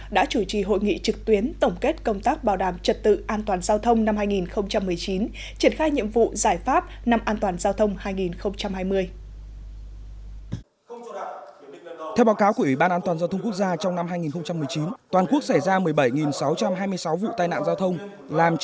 đã chủ trì hội nghị trực tuyến tổng kết công tác bảo đảm trật tự an toàn giao thông năm hai nghìn một mươi chín